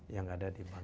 yang ada di bank syariah